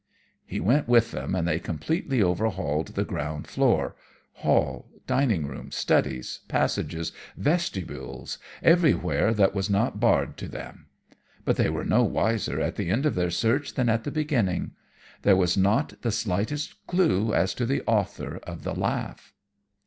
"He went with them, and they completely overhauled the ground floor hall, dining room, studies, passages, vestibules, everywhere that was not barred to them; but they were no wiser at the end of their search than at the beginning; there was not the slightest clue as to the author of the laugh.